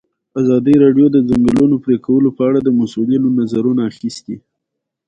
ازادي راډیو د د ځنګلونو پرېکول په اړه د مسؤلینو نظرونه اخیستي.